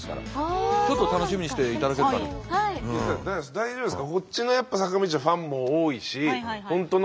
大丈夫ですか？